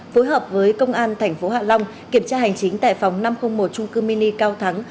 phối hợp với công an tp hạ long kiểm tra hành chính tại phòng năm trăm linh một trung cư mini cao thắng